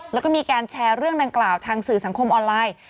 แล้วก็มีการแชร์เรื่องดังกล่าวทางสื่อสังคมออนไลน์